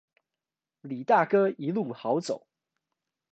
李大哥一路好走